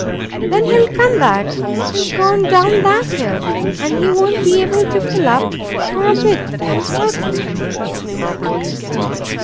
Then he'll come back. He's gone down that hill, and he won't be able to pull up for a bit, I'm certain."